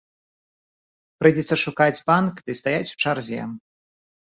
Прыйдзецца шукаць банк ды стаяць у чарзе.